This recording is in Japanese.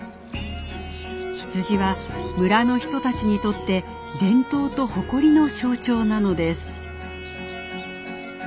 羊は村の人たちにとって伝統と誇りの象徴なのです。